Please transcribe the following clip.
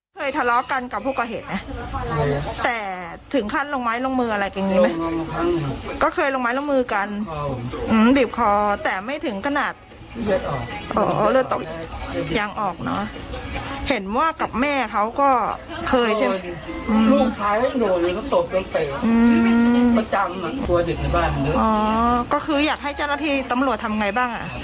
อืมประจำเหมือนครัวเด็กในบ้านด้วยอ๋อก็คืออยากให้เจ้าหน้าที่ตำลวดทำไงบ้างอ่ะ